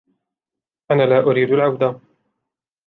أنا لا أريد العودة.